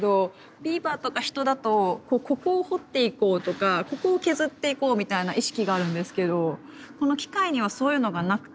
ビーバーとか人だとここを彫っていこうとかここを削っていこうみたいな意識があるんですけどこの機械にはそういうのがなくて。